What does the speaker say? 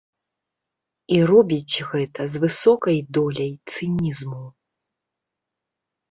І робіць гэта з высокай доляй цынізму.